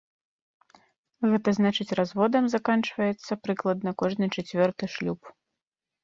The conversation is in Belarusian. Гэта значыць, разводам заканчваецца прыкладна кожны чацвёрты шлюб.